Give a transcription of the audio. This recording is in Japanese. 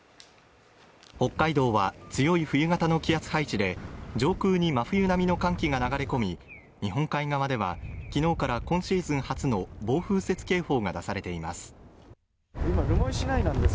北海道は強い冬型の気圧配置で上空に真冬並みの寒気が流れ込み日本海側ではきのうから今シーズン初の暴風雪警報が出されています